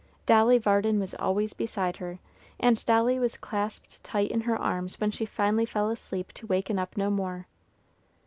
Dolly Varden was always beside her, and Dolly was clasped tight in her arms when she finally fell asleep to waken up no more.